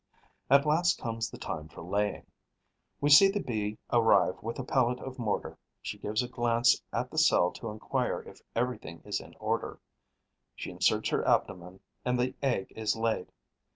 At last comes the time for laying. We see the Bee arrive with a pellet of mortar. She gives a glance at the cell to enquire if everything is in order; she inserts her abdomen; and the egg is laid.